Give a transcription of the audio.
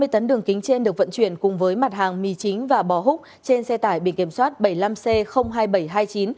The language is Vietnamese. hai mươi tấn đường kính trên được vận chuyển cùng với mặt hàng mì chính và bò hút trên xe tải biển kiểm soát bảy mươi năm c hai nghìn bảy trăm hai mươi chín